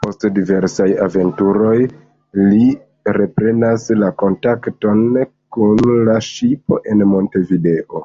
Post diversaj aventuroj, li reprenas la kontakton kun la ŝipo en Montevideo.